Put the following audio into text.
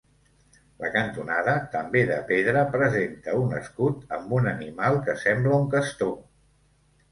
La cantonada, també de pedra, presenta un escut amb un animal que sembla un castor.